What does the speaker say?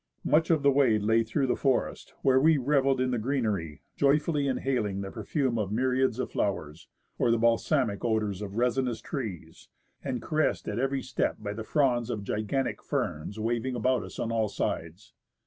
Much of the way lay through the forest, where we revelled in the greener}^, joyfully inhaling the perfume of myriads of flowers, or the balsamic odours of resinous trees, and caressed at every step by the fronds of gigantic ferns waving about us on all sides.